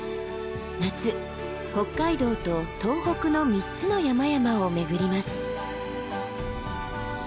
夏北海道と東北の３つの山々を巡ります。